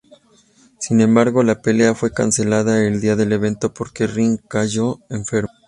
Sin embargo, la pelea fue cancelada el día del evento porque Ring cayo enfermo.